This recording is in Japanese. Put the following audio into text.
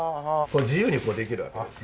自由にこうできるわけです。